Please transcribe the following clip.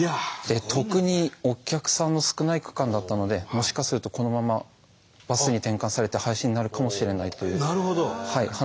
特にお客さんの少ない区間だったのでもしかするとこのままバスに転換されて廃止になるかもしれないという話も出てました。